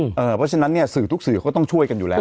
เพราะฉะนั้นเนี่ยสื่อทุกสื่อเขาต้องช่วยกันอยู่แล้ว